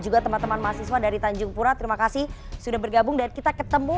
juga teman teman mahasiswa dari tanjung pura terima kasih sudah bergabung dan kita ketemu